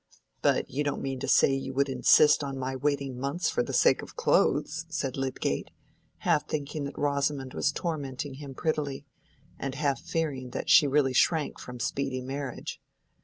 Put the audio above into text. "But you don't mean to say you would insist on my waiting months for the sake of clothes?" said Lydgate, half thinking that Rosamond was tormenting him prettily, and half fearing that she really shrank from speedy marriage.